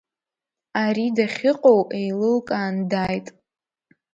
Ари дахьыҟоу еилылкаан дааит.